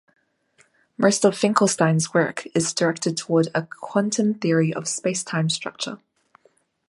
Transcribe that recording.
Most of Finkelstein's work is directed toward a quantum theory of space-time structure.